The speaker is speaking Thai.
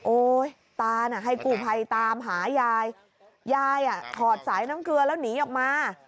ตาน่ะให้กู้ภัยตามหายายยายอ่ะถอดสายน้ำเกลือแล้วหนีออกมา